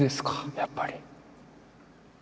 やっぱり。